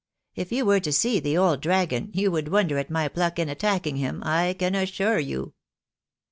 If you were to see the old dragon you would wonder at my pluck in attacking him, I can assure you."